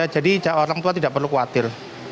jadi orang tua tidak perlu khawatir